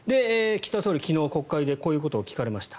岸田総理、昨日国会でこういうことを聞かれました。